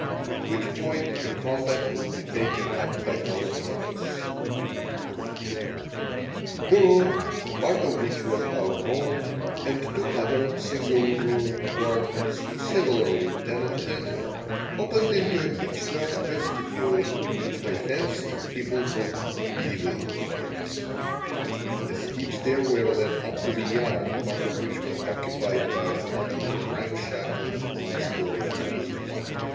At which point the combat would be taken up by our mothers The room, part of which was our home, and two other single room apartments, similarly tenanted, opened into a pitch dark vestibule which my fancy peopled with "evil ones." A steep stairway led up to the yard, part of which was occupied by a huddle of ramshackle one story houses.